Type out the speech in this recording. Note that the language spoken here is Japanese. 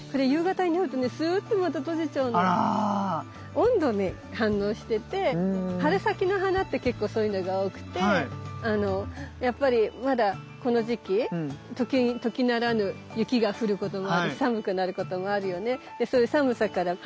温度に反応してて春先の花って結構そういうのが多くてやっぱりまだこの時期時ならぬ雪が降ることもあるし寒くなることもあるよね。